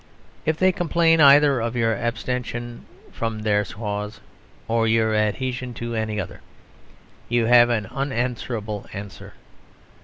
If they complain either of your abstention from their cause or your adhesion to any other, you have an unanswerable answer.